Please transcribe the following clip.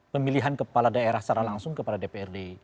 pemilihan kepala daerah secara langsung kepada dprd